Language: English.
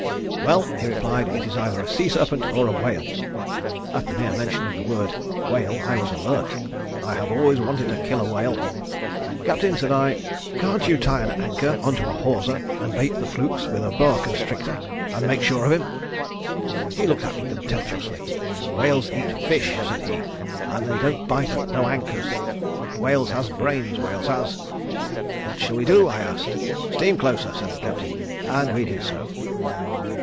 'Well,' he replied, 'it is either a sea serpent or a whale.' At the mere mention of the word whale I was alert. I have always wanted to kill a whale. 'Captain,' said I, 'can't you tie an anchor onto a hawser, and bait the flukes with a boa constrictor and make sure of him?' He looked at me contemptuously. 'Whales eats fish,' said he, 'and they don't bite at no anchors. Whales has brains, whales has.' 'What shall we do?' I asked. 'Steam closer,' said the Captain, and we did so."